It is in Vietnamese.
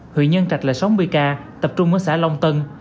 huyện nhân trạch là sáu mươi ca tập trung ở xã long tân